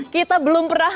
kita belum pernah